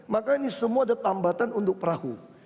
maka ini semua ada tambatan untuk perahu